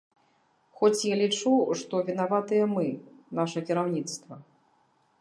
Хоць я лічу, што вінаватыя мы, наша кіраўніцтва.